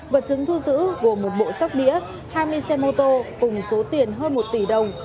vật chứng thu giữ gồm một bộ sóc đĩa hai mươi xe mô tô cùng số tiền hơn một tỷ đồng